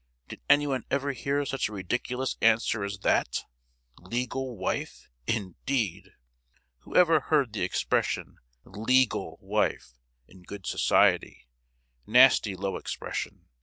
did anyone ever hear such a ridiculous answer as that—legal wife, indeed! Who ever heard the expression 'legal wife,' in good society—nasty low expression!